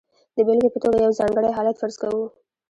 د بېلګې په توګه یو ځانګړی حالت فرض کوو.